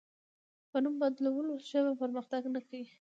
په نوم بدلولو ژبه پرمختګ نه کوي.